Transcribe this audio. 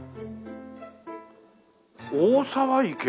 「大沢池」